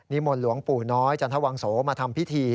มนต์หลวงปู่น้อยจันทวังโสมาทำพิธี